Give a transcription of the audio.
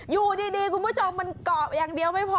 อยู่ดีคุณผู้ชมมันเกาะอย่างเดียวไม่พอ